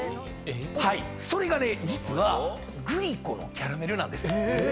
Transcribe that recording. それがね実はグリコのキャラメルなんです。